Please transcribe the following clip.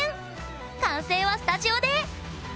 完成はスタジオで！